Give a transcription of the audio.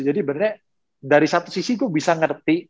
jadi beneran dari satu sisi gue bisa ngerti